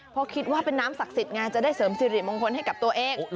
เพราะคิดว่าเป็นน้ำศักดิ์สิทธิ์ไงจะได้เสริมสิริมงคลให้กับตัวเอง